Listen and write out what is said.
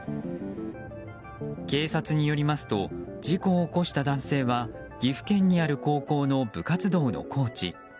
警察によりますと事故を起こした男性は岐阜県にある高校の部活動のコーチ。